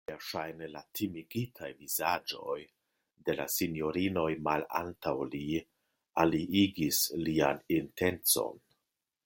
Verŝajne la timigitaj vizaĝoj de la sinjorinoj malantaŭ li aliigis lian intencon.